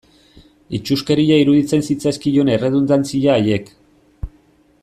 Itsuskeria iruditzen zitzaizkion erredundantzia haiek.